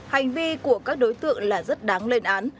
hành vi của các đối tượng là rất đáng lên án